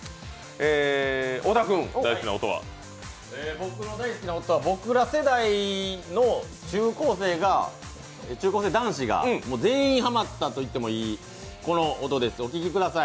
僕の大好きな音は、僕ら世代の中高生男子が全員ハマッたといってもいいこの音です、お聴きください。